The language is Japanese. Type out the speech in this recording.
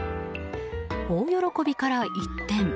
大喜びから一転。